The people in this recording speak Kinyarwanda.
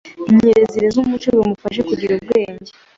nkirezire z’umuco bimufeshe kugire ubwenge,